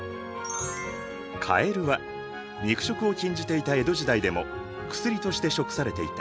かえるは肉食を禁じていた江戸時代でも薬として食されていた。